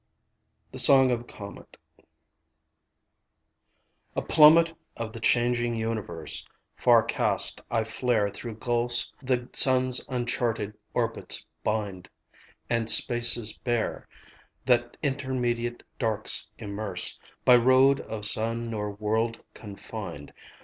THE SONG OF A COMET A plummet of the changing universe, Far cast, I flare Through gulfs the sun's uncharted orbits bind, And spaces bare That intermediate darks immerse By road of sun nor world confined.